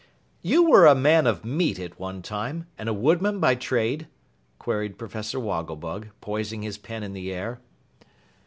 "You were a man of meat at one time and a woodman by trade?" queried Professor Wogglebug, poising his pen in the air.